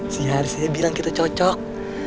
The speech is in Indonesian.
si haris aja bilang kita cocok